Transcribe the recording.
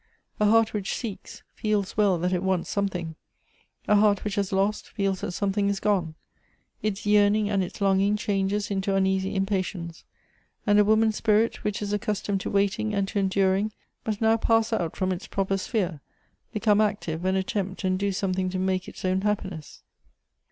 A heart which seeks, feels well that it wants something; a heart which hae lost, feels that something is gone — its yearning and its longing changes into uneasy impatience — and a woman's spirit, which is accustomed to waiting and to enduring, must now pass out from its proper sphere ; become active, and attempt and do something to make its own happiness.